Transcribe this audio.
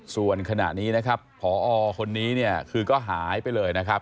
ส่วนขณะนี้นะครับพอคนนี้เนี่ยคือก็หายไปเลยนะครับ